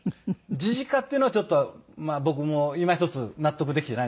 ジジカっていうのはちょっと僕もいま一つ納得できていないんですけど。